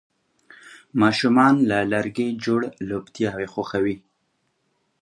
ماشومان له لرګي جوړ لوبتیاوې خوښوي.